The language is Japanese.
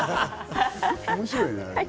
面白いね。